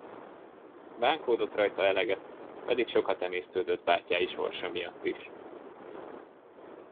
Bánkódott rajta eleget, pedig sokat emésztődött bátyái sorsa miatt is.